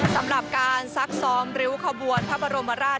สำหรับการซักซ้อมริ้วขบวนพระบรมราช